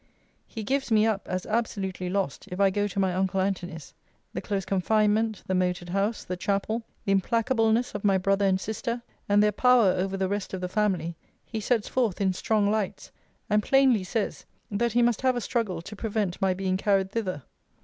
'He gives me up, as absolutely lost, if I go to my uncle Antony's; the close confinement; the moated house; the chapel; the implacableness of my brother and sister; and their power over the rest of the family, he sets forth in strong lights; and plainly says, that he must have a struggle to prevent my being carried thither.'